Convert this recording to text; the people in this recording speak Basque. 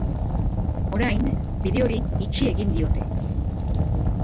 Orain bide hori itxi egin diote.